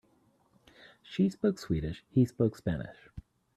She spoke Swedish, he spoke Spanish.